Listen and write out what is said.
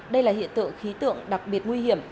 đây là hiện tượng khí tượng đặc biệt nguy hiểm